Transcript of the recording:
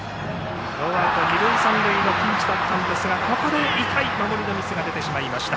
ノーアウト、二塁三塁のピンチでしたがここで痛い守りのミスが出ました。